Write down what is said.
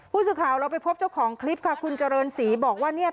ผู้สื่อข่าวเราไปพบเจ้าของคลิปค่ะคุณเจริญศรีบอกว่าเนี่ย